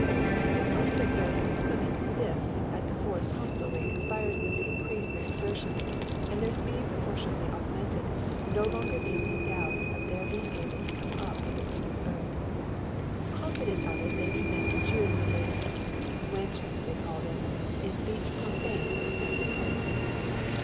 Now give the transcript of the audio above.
The prospect of "someat stiff" at the Forest hostelry inspires them to increase their exertion, and their speed proportionately augmented, no longer leaves a doubt of their being able to come up with the pursued boat. Confident of it they commence jeering the ladies "wenches" they call them in speech profane, as repulsive.